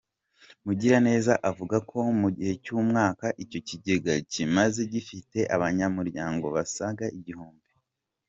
Mugiraneza avuga ko mu gihe cy’umwaka icyo kigega kimaze, gifite abanyamuryango basaga igihumbi.